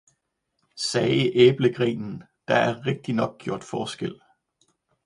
sagde æblegrenen, der er rigtignok gjort forskel!